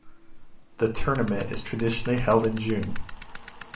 The tournament is traditionally held in June.